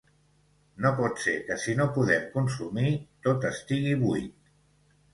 No pot ser que si no podem consumir tot estigui buit.